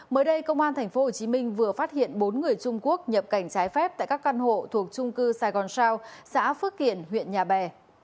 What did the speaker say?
mới đây công an tp hcm vừa phát hiện bốn người trung quốc nhập cảnh trái phép tại các căn hộ thuộc trung cư sài gòn sao xã phước kiển huyện nhà bè